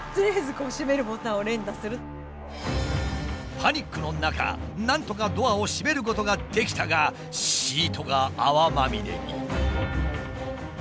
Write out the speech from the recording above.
パニックの中なんとかドアを閉めることができたがシートが泡まみれに。